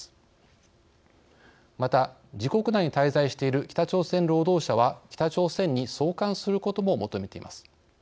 また自国内に滞在している北朝鮮労働者は北朝鮮に送還することも求めています。